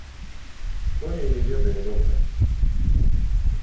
Хто яе ведае добра?